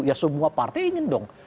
ya semua partai ingin dong